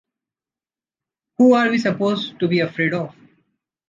Who are we supposed to be afraid of?